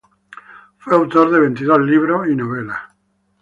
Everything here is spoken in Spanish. Fue autor de veintidós libros y novelas.